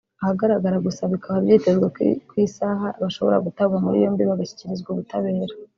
ahagaragara gusa bikaba byitezwe ko isaha ku isaha bashobora gutabwa muri yombi bagashyikirizwa ubutabera